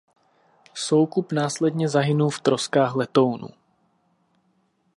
Soukup následně zahynul v troskách letounu.